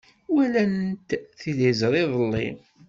Walant tiliẓri iḍelli.